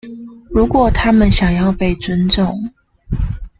如果他們想要被尊重